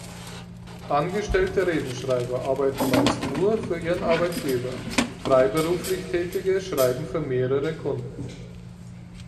Angestellte Redenschreiber arbeiten meist nur für ihren Arbeitgeber; freiberuflich Tätige schreiben für mehrere Kunden.